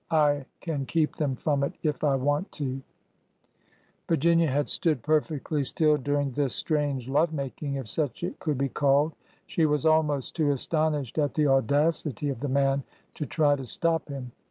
I can keep them from it if I want to 1 " Virginia had stood perfectly still during this strange love making, if such it could be called. She was almost too astonished at the audacity of the man to try to stop him.